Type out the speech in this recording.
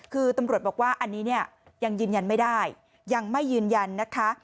คือตำรวจบอกว่าอันนี้เนี่ยยังยืนยันไม่ได้ยังไม่ยืนยันนะคะ